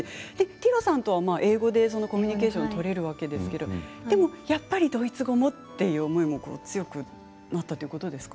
ティロさんとは英語でコミュニケーションが取れるわけですけれどでもやっぱりドイツ語もという思いも強くなったということですか？